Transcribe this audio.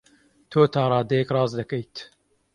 تۆ تا ڕادەیەک ڕاست دەکەیت.